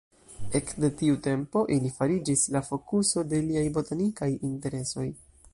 Ekde tiu tempo ili fariĝis la fokuso de liaj botanikaj interesoj.